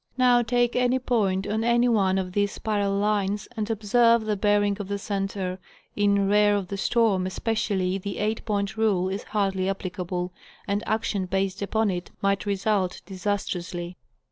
Now take any point on any one of these spiral lines, and observe the bearing of the center: in rear of the storm, especially, the 8 point rule is hardly applicable, and action based upon it might result disastrously.